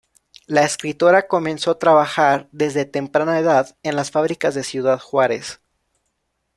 La escritora comenzó a trabajar desde temprana edad en las fábricas de Ciudad Juárez.